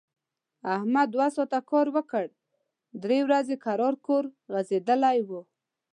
احمد دوه ساعت کار وکړ، درې ورځي کرار کور غځېدلی و.